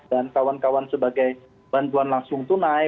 dan kawan kawan sebagai bantuan langsung tunai